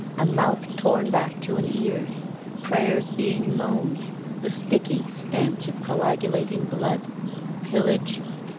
A mouth torn back to an ear. Prayers being moaned. The sticky stench of coagulating blood. Pillage.